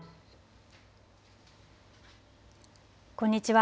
こんにちは。